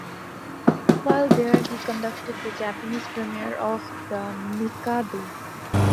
While there, he conducted the Japanese premiere of "The Mikado".